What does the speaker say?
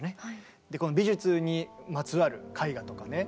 この美術にまつわる絵画とかね